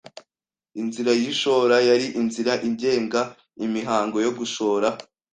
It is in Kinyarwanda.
Inzira y’ishora: yari inzira igenga imihango yo gushora